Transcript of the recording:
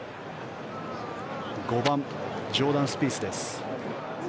５番ジョーダン・スピースです。